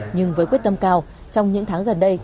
nhưng với quyết tâm cao trong những tháng gần đây